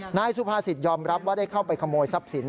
นายสุภาษิตยอมรับว่าได้เข้าไปขโมยทรัพย์สิน